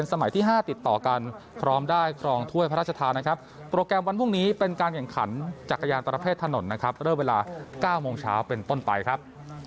ที่๕ติดต่อกันพร้อมได้ครองถ้วยพระราชทานนะครับโปรแกรมวันพรุ่งนี้เป็นการแข่งขันจักรยานประเภทถนนนะครับเริ่มเวลา๙โมงเช้าเป็นต้นไปครับ